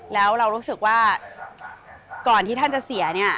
แล้วเรารู้สึกว่าก่อนที่ท่านจะเสียเนี่ย